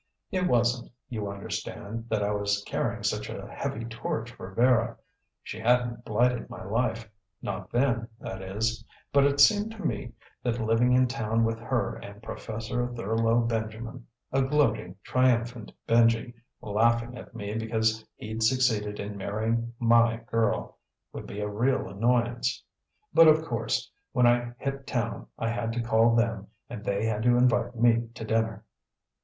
It wasn't, you understand, that I was carrying such a heavy torch for Vera. She hadn't blighted my life; not then, that is. But it seemed to me that living in town with her and Professor Thurlow Benjamin a gloating, triumphant Benji, laughing at me because he'd succeeded in marrying my girl would be a real annoyance. But, of course, when I hit town I had to call them and they had to invite me to dinner.